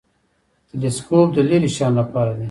تلسکوپ د لیرې شیانو لپاره دی